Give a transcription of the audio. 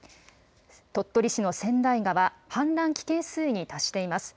鳥取市の千代川、氾濫危険水位に達しています。